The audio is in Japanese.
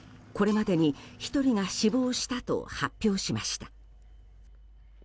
これまでに１人が死亡したと発表しました。